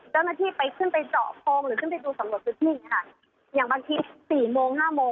เจ้าหน้าที่ไปขึ้นไปเจาะโพงหรือขึ้นไปดูสำรวจพื้นที่ค่ะอย่างบางทีสี่โมงห้าโมง